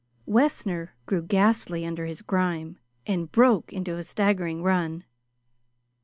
Wessner grew ghastly under his grime and broke into a staggering run.